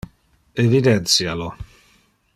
Evidentia lo.